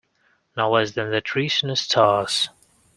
No less than the trees and the stars